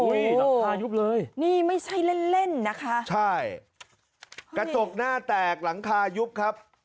หลังคายุบเลยนี่ไม่ใช่เล่นเล่นนะคะใช่กระจกหน้าแตกหลังคายุบครับ